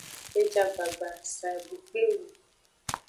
E ja gbagba, sa e bu kpi nung.